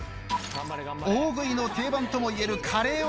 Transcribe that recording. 大食いの定番ともいえるカレーは。